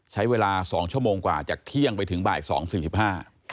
ใช้เวลา๒ชั่วโมงกว่าจากเที่ยงไปถึงบ่าย๒๔๕บาท